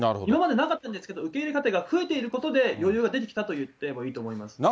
今までなかったんですけど、受け入れ家庭が増えていることで、余裕が出てきたと言ってもいいと思います。